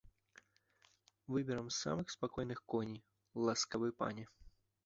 Выберам самых спакойных коней, ласкавы пане!